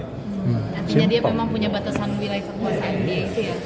artinya dia memang punya batasan wilayah kekuasaan